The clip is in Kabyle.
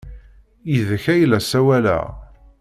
Yid-k ay la ssawaleɣ!